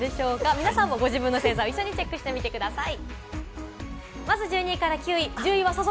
皆さんもご自分の星座を一緒にチェックしてみてください。